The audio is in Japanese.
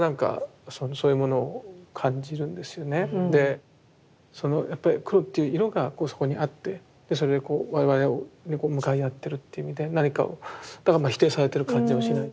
でやっぱり黒っていう色がそこにあってそれでこう我々を向かい合ってるっていう意味で何かをだから否定されてる感じはしない。